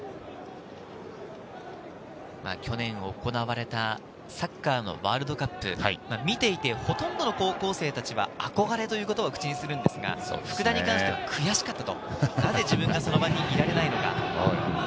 去年行われたサッカーのワールドカップ、見ていて、ほとんどの高校生達は憧れという言葉を口にするんですが福田に関しては悔しかったと。